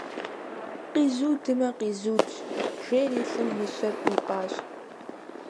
- Къизудмэ, къизудщ, - жери лӀым мыщэр ӀуипӀащ.